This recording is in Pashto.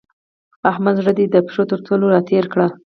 احمده! زړه دې د پښو تر تلو راتېر کړ.